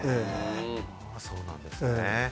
そうなんですね。